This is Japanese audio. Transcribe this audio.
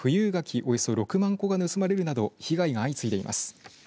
およそ６万個が盗まれるなど被害が相次いでいます。